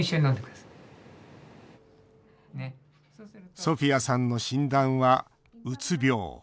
ソフィアさんの診断はうつ病。